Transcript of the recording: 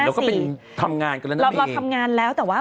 เราทำงานแล้วแต่ว่า